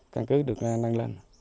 căn cứ được nâng lên